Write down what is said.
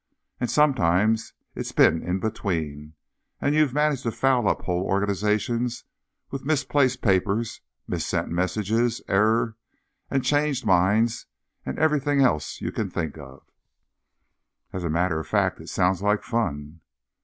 And sometimes it's been in between, and you've managed to foul up whole organizations with misplaced papers missent messages, error, and changed minds and everything else you can think of._ _As a matter of fact, it sounds like fun.